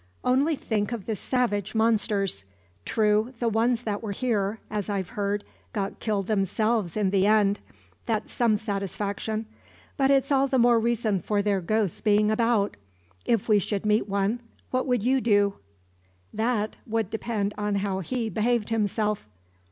Only think of the savage monsters! True, the ones that were here, as I've heard, got killed themselves in the end that's some satisfaction. But it's all the more reason for their ghosts being about. If we should meet one, what would you do?" "That would depend on how he behaved himself."